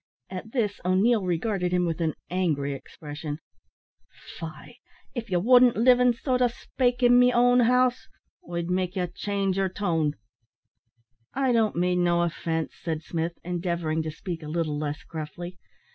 At this O'Neil regarded him with an angry expression. "Faix, av ye wasn't livin', so to spake, in me own house, I'd make ye change yer tone." "I don't mean no offence," said Smith, endeavouring to speak a little less gruffly.